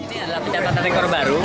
ini adalah pendapatan rekor baru